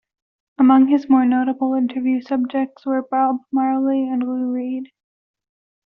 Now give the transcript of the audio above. Among his more notable interview subjects were Bob Marley and Lou Reed.